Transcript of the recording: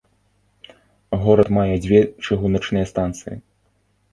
Горад мае дзве чыгуначныя станцыі.